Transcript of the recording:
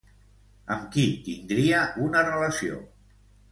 Amb qui tindria una relació?